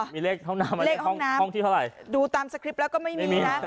มีเลขห้องน้ำเลขห้องที่เท่าไหร่ดูตามสคริปต์แล้วก็ไม่มีนะ